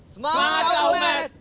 semangat ya homet